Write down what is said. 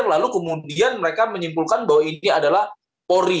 lalu kemudian mereka menyimpulkan bahwa ini adalah polri